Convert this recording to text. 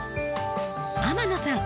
天野さん